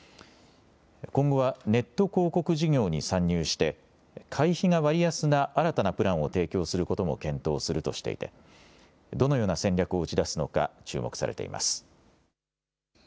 今後はネット広告事業に参入して会費が割安な新たなプランを提供することも検討するとしていてどのような戦略を打ち出すのか注目されています。